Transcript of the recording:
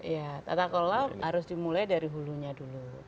ya tata kelola harus dimulai dari hulunya dulu